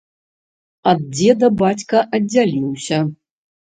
Ад дзеда бацька аддзяліўся.